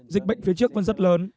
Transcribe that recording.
dịch bệnh phía trước vẫn rất lớn